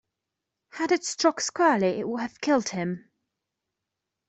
Had it struck squarely it would have killed him.